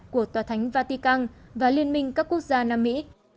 của tòa thánh vatican và liên minh các quốc gia nam mỹ